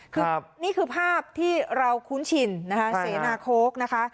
คือนี่คือภาพที่เราคุ้นชินนะคะเสนาโค้กนะคะ